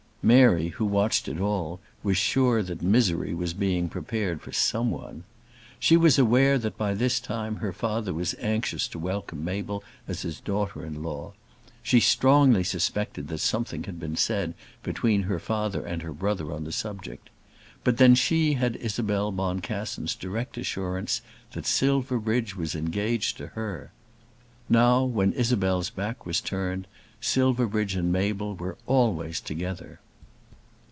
Mary, who watched it all, was sure that misery was being prepared for someone. She was aware that by this time her father was anxious to welcome Mabel as his daughter in law. She strongly suspected that something had been said between her father and her brother on the subject. But then she had Isabel Boncassen's direct assurance that Silverbridge was engaged to her! Now when Isabel's back was turned, Silverbridge and Mabel were always together.